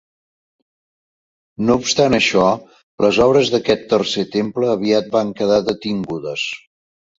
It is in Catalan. No obstant això, les obres d'aquest tercer temple aviat van quedar detingudes.